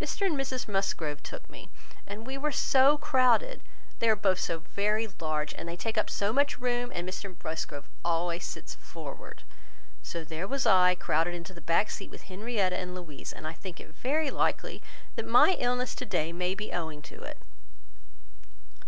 Mr and Mrs Musgrove took me, and we were so crowded! They are both so very large, and take up so much room; and Mr Musgrove always sits forward. So, there was I, crowded into the back seat with Henrietta and Louisa; and I think it very likely that my illness to day may be owing to it."